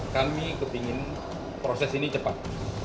kami kepingin proses ini cepat